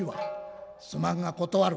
すまんが断る」。